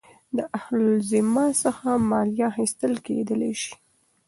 د اهل الذمه څخه مالیه اخیستل کېدلاى سي.